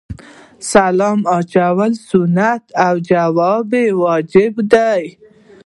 سلام اچول سنت او جواب یې واجب دی